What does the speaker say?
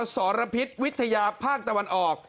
สรพิษวิทยาภาคตะวันออก